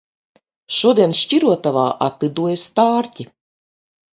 Šodien Šķirotavā atlidoja stārķi.